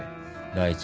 第一